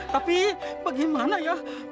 tapi bagaimana ya